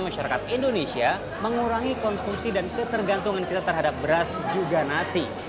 masyarakat indonesia mengurangi konsumsi dan ketergantungan kita terhadap beras juga nasi